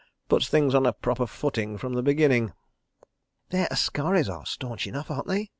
Puts things on a proper footing from the beginning. ..." "Their askaris are staunch enough, aren't they?"